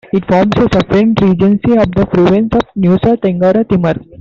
It forms a separate regency of the province of Nusa Tenggara Timur.